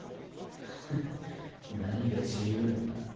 フッ何が自由の身だ。